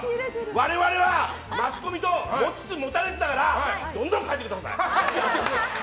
我々はマスコミと持ちつ持たれつだからどんどん書いてください。